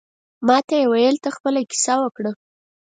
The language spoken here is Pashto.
ماته یې ویل ته خپله کیسه وکړه.